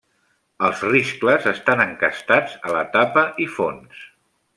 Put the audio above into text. Els riscles estan encastats a la tapa i fons.